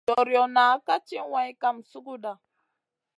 Joriona ka tchi wayn kam sunguda.